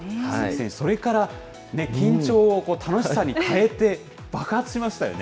それから、緊張を楽しさに変えて、爆発しましたよね。